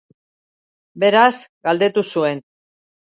Beraz galdetu zuen.